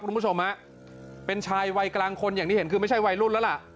คุณผู้ชมฮะเป็นชายวัยกลางคนอย่างที่เห็นคือไม่ใช่วัยรุ่นแล้วล่ะ